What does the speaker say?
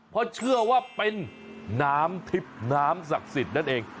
เพราะเชื่อว่าเป็นน้ำทิพย์น้ำศักดิ์สิทธิ์นั่นเอง